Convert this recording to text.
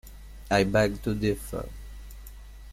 I beg to differ